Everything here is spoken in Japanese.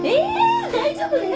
大丈夫だよ。